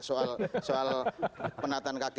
soal soal penataan kk lima